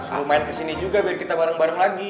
suruh main kesini juga biar kita bareng bareng lagi